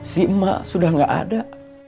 si emak sudah gak ada